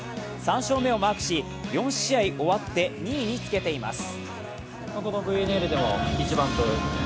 ３勝目をマークし４試合終わって２位につけています。